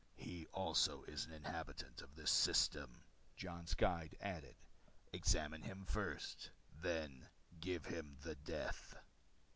"He also is an inhabitant of this system," Jon's guide added. "Examine him first, then give him the death."